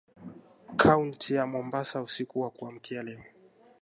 Kaunti ya Mombasa usiku wa kuamkia leo